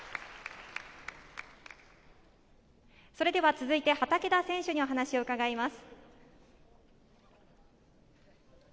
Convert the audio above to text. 続いて畠田選手にお話を伺います。